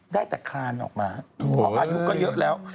ได้แตกคลานออกมาอายุก็เยอะแล้ว